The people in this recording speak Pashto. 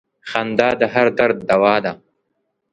• خندا د هر درد دوا ده.